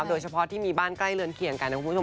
โดยเฉพาะที่มีบ้านใกล้เรือนเคียงกันนะคุณผู้ชม